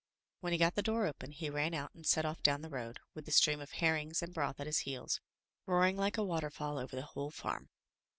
When he got the door open, he ran out and set off down the road, with the stream of herrings and broth at his heels, roaring like a waterfall over the whole farm.